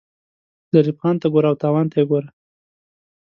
ظریف خان ته ګوره او تاوان ته یې ګوره.